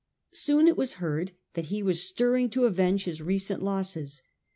Soon it was heard that he was stirring to avenge his recent losses.